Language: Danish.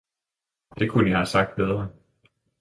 Det kunne jeg have sagt bedre!